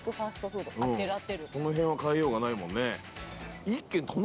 この辺は変えようがないもんね